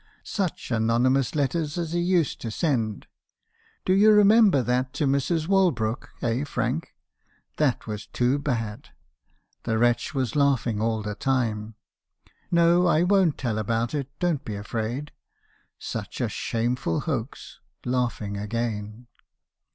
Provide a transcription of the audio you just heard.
Such anonymous letters as he used to send! Do you remember that to Mrs. Wal brook, eh Frank? That was too bad!' (the wretch was laughing all the time) ' No ; I won't tell about it — don't be afraid. Such a shameful hoax! ' (laughing again.)